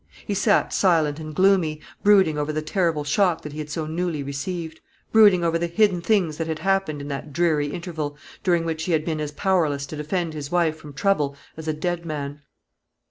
He sat silent and gloomy, brooding over the terrible shock that he had so newly received; brooding over the hidden things that had happened in that dreary interval, during which he had been as powerless to defend his wife from trouble as a dead man.